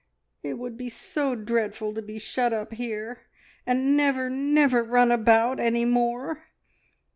It would be so dreadful to be shut up here and never, never run about any more.